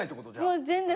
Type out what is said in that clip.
もう全然。